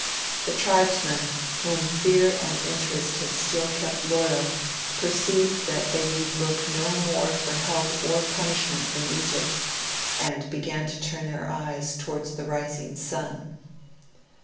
The tribesmen, whom fear and interest had still kept loyal, perceived that they need look no more for help or punishment from Egypt, and began to turn their eyes towards the rising sun.